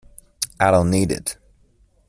I don't need it.